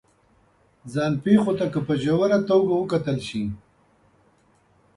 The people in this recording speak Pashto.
ځان پېښو ته که په ژوره توګه وکتل شي